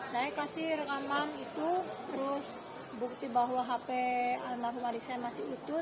saya kasih rekaman itu terus bukti bahwa hp almarhum adik saya masih utuh